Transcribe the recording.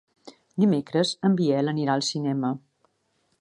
Dimecres en Biel anirà al cinema.